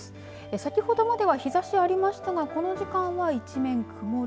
先ほどまで日ざしはありましたがこの時間は一面曇り。